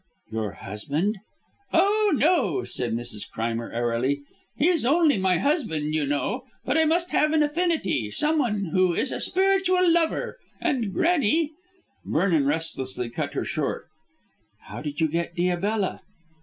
"Your husband?" "Oh, no," said Mrs. Crimer airily; "he's only my husband, you know. But I must have an Affinity: someone who is a spiritual lover. And Granny " Vernon ruthlessly cut her short. "How did you get Diabella?"